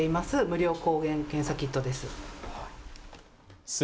無料抗原検査キットです。